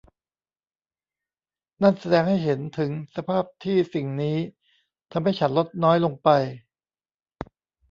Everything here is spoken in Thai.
นั่นแสดงให้เห็นถึงสภาพที่สิ่งนี้ทำให้ฉันลดน้อยลงไป